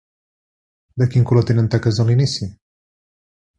De quin color tenen taques a l'inici?